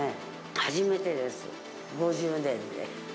初めてです、５０年で。